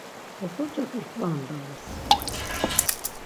Oxorcak iǩvandams.